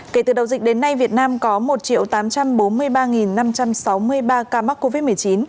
kể từ đầu dịch đến nay việt nam có một tám trăm bốn mươi ba năm trăm sáu mươi ba ca mắc covid một mươi chín